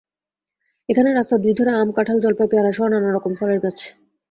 এখানে রাস্তার দুই ধারে আম, কাঁঠাল, জলপাই, পেয়ারাসহ নানা রকম ফলের গাছ।